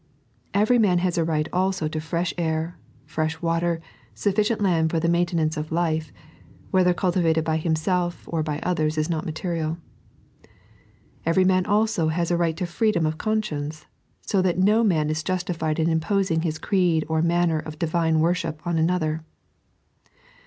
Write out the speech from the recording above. Every man has a right also to fresh air, fresh water, sufficient land for the maintenance of life (whether cultivated by himself or by others is not material). Every man also has a right to freedom of conscience ; so that no man is justified in imposing his creed or manner of Divine worship on another.